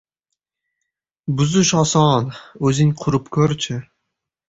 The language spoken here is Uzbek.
• Buzish oson, o‘zing qurib ko‘r-chi.